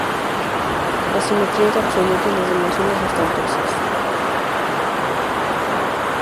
La simetría era absoluta, y las dimensiones ostentosas.